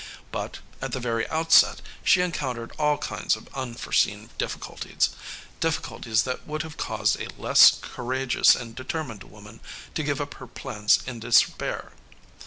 But, at the very outset, she encountered all kinds of unforeseen difficulties difficulties that would have caused a less courageous and determined woman to give up her plans in despair.